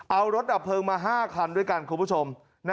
เอารถดับเพลิงมา๕คันด้วยกันคุณผู้ชม